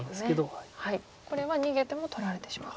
これは逃げても取られてしまうと。